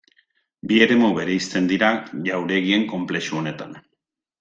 Bi eremu bereizten dira jauregien konplexu honetan.